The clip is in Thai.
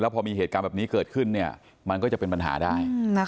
พอมีเหตุการณ์แบบนี้เกิดขึ้นมันก็จะเป็นปัญหาได้